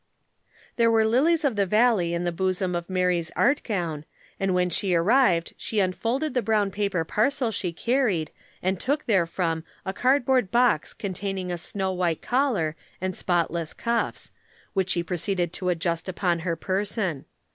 There were lilies of the valley in the bosom of Mary's art gown, and when she arrived she unfolded the brown paper parcel she carried and took therefrom a cardboard box containing a snow white collar and spotless cuffs, which she proceeded to adjust upon her person.